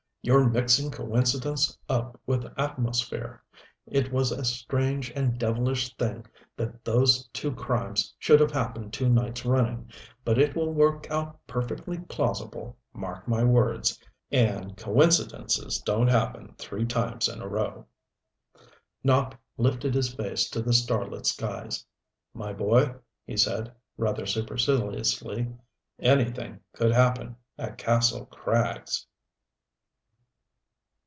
"You're mixing coincidence up with atmosphere. It was a strange and a devilish thing that those two crimes should have happened two nights running, but it will work out perfectly plausible mark my words. And coincidences don't happen three times in a row." Nopp lifted his face to the starlit skies. "My boy," he said, rather superciliously, "anything could happen at Kastle Krags."